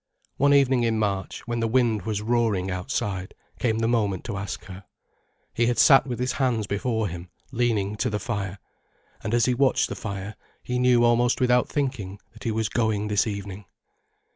One evening in March, when the wind was roaring outside, came the moment to ask her. He had sat with his hands before him, leaning to the fire. And as he watched the fire, he knew almost without thinking that he was going this evening.